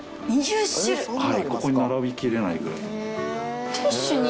はいここに並びきれないくらい。